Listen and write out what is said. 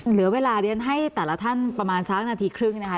เหลือเวลาเรียนให้แต่ละท่านประมาณสักนาทีครึ่งนะคะ